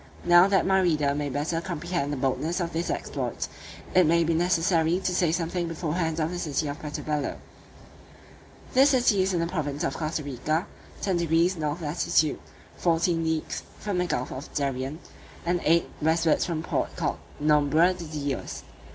Now, that my reader may better comprehend the boldness of this exploit, it may be necessary to say something beforehand of the city of Puerto Bello. This city is in the province of Costa Rica, 10 deg. north latitude, fourteen leagues from the gulf of Darien, and eight westwards from the port called Nombre de Dios.